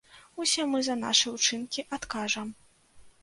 Усе мы за нашы ўчынкі адкажам.